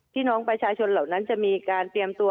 พี่น้องประชาชนเหล่านั้นจะมีการเตรียมตัว